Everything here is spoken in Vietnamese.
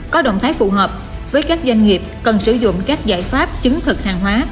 có động thái phù hợp với các doanh nghiệp cần sử dụng các giải pháp chứng thực hàng hóa